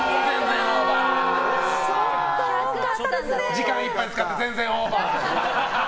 時間いっぱい使って全然オーバー！